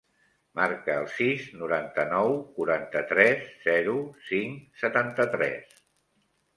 Marca el sis, noranta-nou, quaranta-tres, zero, cinc, setanta-tres.